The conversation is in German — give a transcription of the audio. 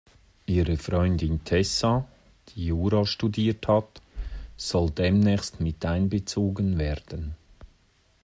Ihre Freundin Tessa, die Jura studiert hat, soll demnächst miteinbezogen werden.